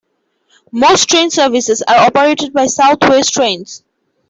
Most train services are operated by South West Trains.